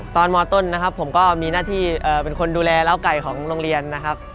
มต้นนะครับผมก็มีหน้าที่เป็นคนดูแลล้าวไก่ของโรงเรียนนะครับ